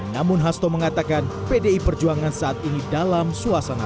namun hasto mengatakan pdi perjuangan ini tidak hanya untuk perempuan yang maju dan yang maju